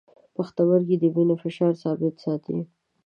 پښتورګي د وینې فشار ثابت ساتي.